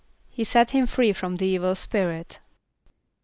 =He set him free from the evil spirit.